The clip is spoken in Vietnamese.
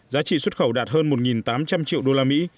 giá trị xuất khẩu đạt hơn một tám trăm linh triệu usd